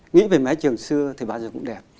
nghĩ về mái trường xưa thì bao giờ cũng đẹp